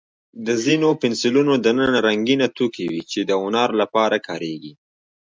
د ځینو پنسلونو دننه رنګینه توکي وي، چې د هنر لپاره کارېږي.